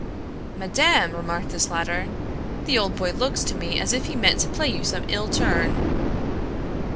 "Madame," remarked this latter, "the old boy looks to me as if he meant to play you some ill turn."